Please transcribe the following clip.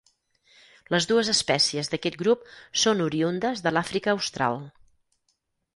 Les dues espècies d'aquest grup són oriündes de l'Àfrica Austral.